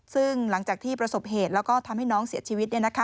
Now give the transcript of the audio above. ซึ่งหลังจากที่ประสบเหตุแล้วก็ทำให้น้องเสียชีวิต